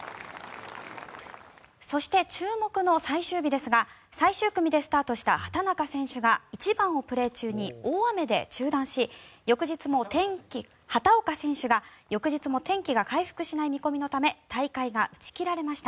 そして、注目の最終日ですが最終組でスタートした畑岡選手が１番をプレー中に大雨で中断し翌日も天気が回復しない見込みのため大会が打ち切られました。